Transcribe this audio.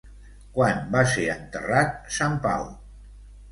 Quan va ser enterrat sant Pau?